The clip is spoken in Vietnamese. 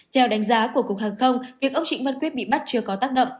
theo đánh giá của cục hàng không việc ông trịnh văn quyết bị bắt chưa có tác động